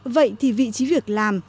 vậy thì vị trí việc làm